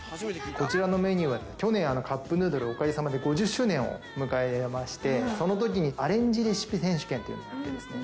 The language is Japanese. こちらのメニューは去年カップヌードルおかげさまで５０周年を迎えましてそのときにアレンジレシピ選手権というのをやってですね